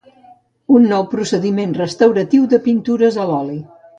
Un nou procediment restauratiu de pintures a l'oli.